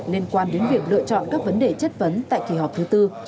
liên quan đến việc lựa chọn các vấn đề chất vấn tại kỳ họp thứ tư